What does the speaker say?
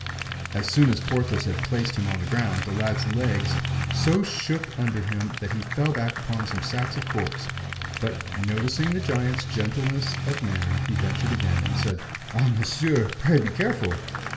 As soon as Porthos had placed him on the ground, the lad's legs so shook under him that he fell back upon some sacks of corks. But noticing the giant's gentleness of manner, he ventured again, and said: "Ah, monsieur! pray be careful."